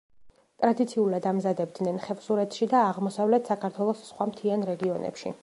ტრადიციულად ამზადებდნენ ხევსურეთში და აღმოსავლეთ საქართველოს სხვა მთიან რეგიონებში.